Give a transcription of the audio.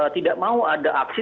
tidak mau ada aksi